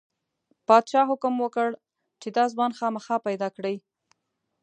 پادشاه حکم وکړ چې دا ځوان خامخا پیدا کړئ.